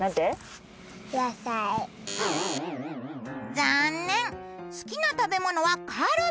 残念好きな食べ物はカルビ。